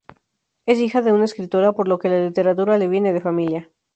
Es hija de una escritora, por lo que la literatura le viene de familia.